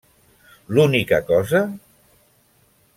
L'única cosa?